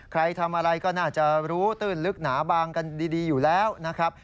ใครทำอะไรก็น่าจะรู้ตื้นลึกหนาบางกันดีอยู่แล้วนะครับ